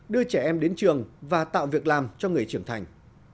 đưa trẻ em đến trường và tạo việc làm cho người trưởng thành